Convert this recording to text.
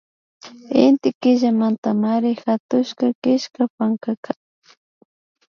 Inti Killamantamari hatushka killka pankaka